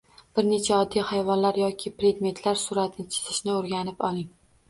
Bir necha oddiy hayvonlar yoki predmetlar suratini chizishni o‘rganib oling